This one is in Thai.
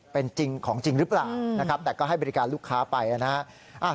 เป็นจริงของจริงหรือเปล่านะครับแต่ก็ให้บริการลูกค้าไปนะครับ